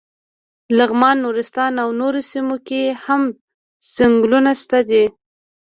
لغمان، نورستان او نورو سیمو کې هم څنګلونه شته دي.